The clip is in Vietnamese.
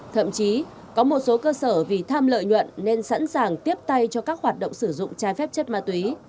thậm chí có một số cơ sở vì tham lợi nhuận nên sẵn sàng tiếp tay cho các hoạt động sử dụng trái phép chất ma túy